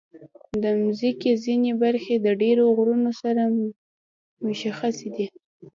د مځکې ځینې برخې د ډېرو غرونو سره مشخصې دي.